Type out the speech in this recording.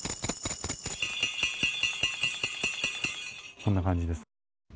こんな感じです。